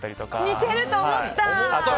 似てると思った！